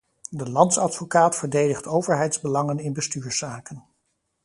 De landsadvocaat verdedigt overheidsbelangen in bestuurszaken.